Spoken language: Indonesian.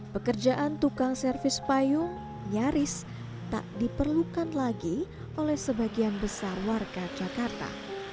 pekerjaan tukang servis payung nyaris tak diperlukan lagi oleh sebagian besar warga jakarta